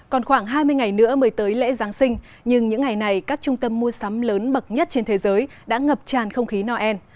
còn khoảng hai mươi ngày nữa mới tới lễ giáng sinh nhưng những ngày này các trung tâm mua sắm lớn bậc nhất trên thế giới đã ngập tràn không khí noel